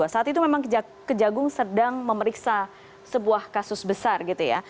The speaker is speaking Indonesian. saat itu memang kejagung sedang memeriksa sebuah kasus besar gitu ya